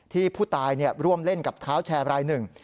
ที่ผู้ตายร่วมเล่นกับเท้าแชร์รายหนึ่ง